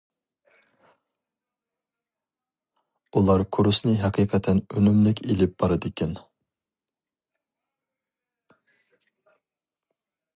ئۇلار كۇرسنى ھەقىقەتەن ئۈنۈملۈك ئېلىپ بارىدىكەن.